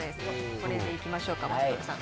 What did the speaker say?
これでいきましょうか、正門さん。